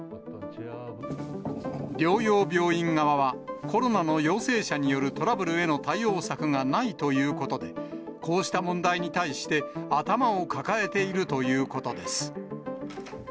療養病院側は、コロナの陽性者によるトラブルへの対応策がないということで、こうした問題に対して頭を抱えているということです。